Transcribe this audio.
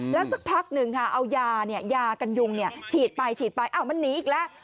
แล้วสักพักหนึ่งค่ะเอายายากันยุงฉีดไปฉีดไปมันหนีอีกแล้ว